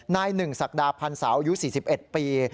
นายหนึ่งศักดาพันธ์สาวอายุ๔๑ปี